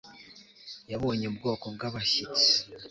yabonye ubwoko bwabashyitsi